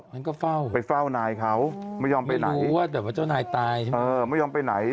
มันก็เฝ้าไม่รู้ว่าเจ้านายตายใช่ไหมค่ะไม่ยอมไปไหน